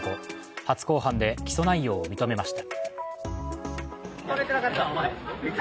初公判で起訴内容を認めました。